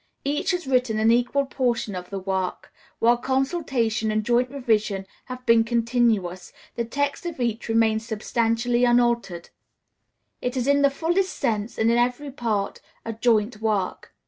Each has written an equal portion of the work; while consultation and joint revision have been continuous, the text of each remains substantially unaltered. It is in the fullest sense, and in every part, a joint work.